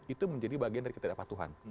itu menjadi bagian dari ketidakpatuhan